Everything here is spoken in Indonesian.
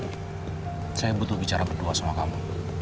saya butuh bicara berdua sama kamu